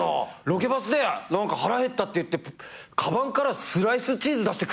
ロケバスで何か腹減ったって言ってかばんからスライスチーズ出して食ってた。